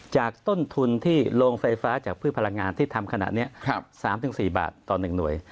จากต้นทุนที่โรงไฟฟ้าจากพืชพลังงานที่ทำขนาดนี้๓๔บาทต่อ๑หน่วย